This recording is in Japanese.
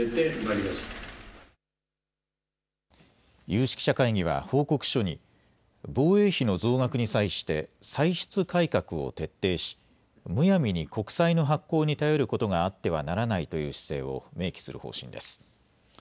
有識者会議は報告書に防衛費の増額に際して歳出改革を徹底し、むやみに国債の発行に頼ることがあってはならないという姿勢を明記する方針です。